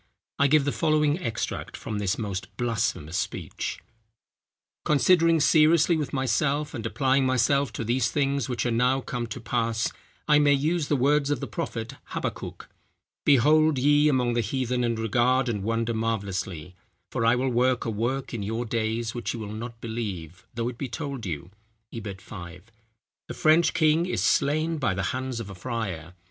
I give the following extract from this most blasphemous speech:— "Considering seriously with myself, and applying myself to these things which are now come to pass, I may use the words of the prophet Habbakuk: 'Behold, ye among the heathen, and regard, and wonder marvellously; for I will work a work in your days, which ye will not believe, though it be told you;' i. 5. The French king is slain by the hands of a friar.